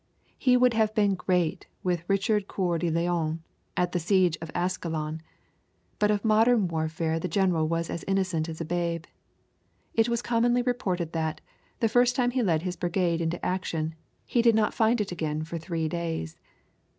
He would have been great with Richard Coeur de Lion at the siege of Ascalon, but of modern warfare the general was as innocent as a babe. It was commonly reported that, the first time he led his brigade into action, he did not find it again for three days.